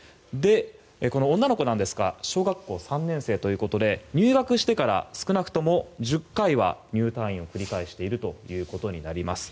この女の子ですが小学校３年生ということで入学してから少なくとも１０回は入退院を繰り返しているということになります。